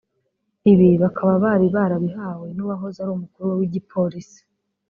Ibi bakaba bari barabihawe n’uwahoze ari umukuru w’igipolisi